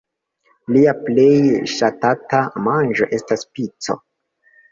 Lia plej ŝatata manĝo estas pico.